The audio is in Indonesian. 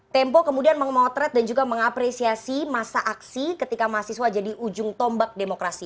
tempo kemudian memotret dan juga mengapresiasi masa aksi ketika mahasiswa jadi ujung tombak demokrasi